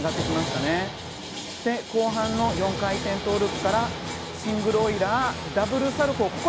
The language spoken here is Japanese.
そして、後半の４回転トウループからシングルオイラーダブルサルコウ。